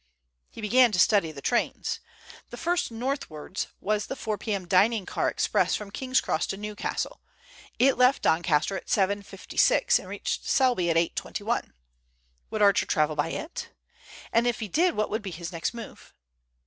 He began to study the trains. The first northwards was the 4 p.m. dining car express from King's Cross to Newcastle. It left Doncaster at 7.56 and reached Selby at 8.21. Would Archer travel by it? And if he did, what would be his next move?